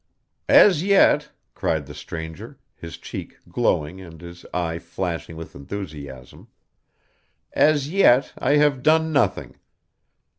'As yet,' cried the stranger his cheek glowing and his eye flashing with enthusiasm 'as yet, I have done nothing.